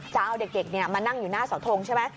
จะเอาเด็กมานั่งอยู่หน้าเสาทงใช่ไหม